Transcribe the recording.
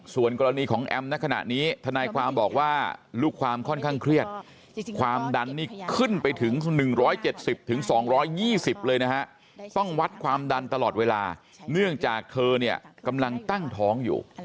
ส่วนกรณีของแอมณขณะนี้ทนายความบอกว่าลูกความค่อนข้างเครียดความดันนี่ขึ้นไปถึง๑๗๐๒๒๐เลยนะฮะต้องวัดความดันตลอดเวลาเนื่องจากเธอเนี่ยกำลังตั้งท้องอยู่